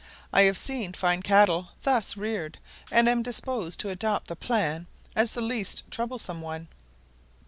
I have seen fine cattle thus reared, and am disposed to adopt the plan as the least troublesome one.